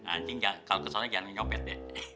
ancing kalau kesalnya jangan nyopet ya